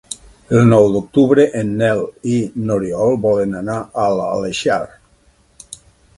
El nou d'octubre en Nel i n'Oriol volen anar a l'Aleixar.